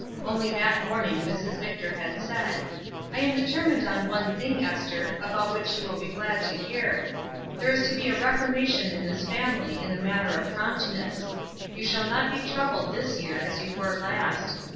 Only that morning Mrs. Victor had said: "I am determined on one thing, Esther, about which you will be glad to hear. There is to be a reformation in this family in the matter of promptness. You shall not be troubled this year as you were last.